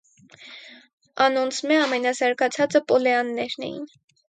Անոնցմէ ամենազարգացածը պոլեաններն էին։